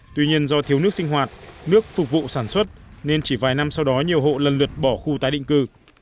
tuy nhiên do thiếu nước sinh hoạt nước phục vụ sản xuất nên chỉ vài năm sau đó nhiều hộ lần lượt bỏ khu tái định cư